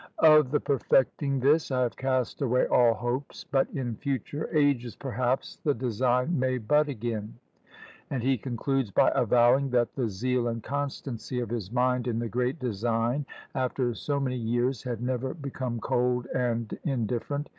"Of the perfecting this I have cast away all hopes; but in future ages, perhaps, the design may bud again." And he concludes by avowing, that the zeal and constancy of his mind in the great design, after so many years, had never become cold and indifferent.